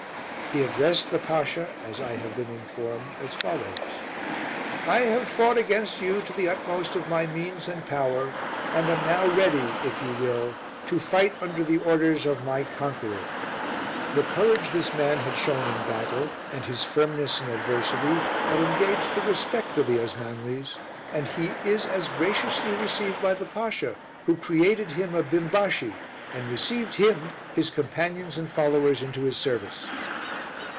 He addressed the Pasha, as I have been informed, as follows: "I have fought against you to the utmost of my means and power, and am now ready, if you will, to fight under the orders of my conqueror." The courage this man had shown in battle, and his firmness in adversity, had engaged the respect of the Osmanlis, and he is as graciously received by the Pasha, who created him a Bimbashi, and received him, his companions, and followers, into his service.